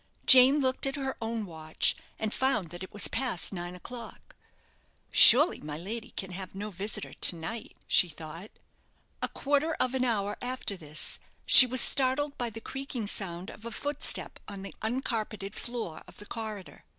Jane looked at her own watch, and found that it was past nine o'clock. "Surely my lady can have no visitor to night?" she thought. A quarter of an hour after this, she was startled by the creaking sound of a footstep on the uncarpeted floor of the corridor.